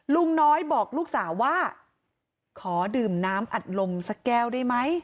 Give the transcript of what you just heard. ลุงน้อยบอกลูกสาวว่าขอดื่มน้ำอัดลมสักแก้วได้ไหม